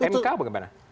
mk apa kemana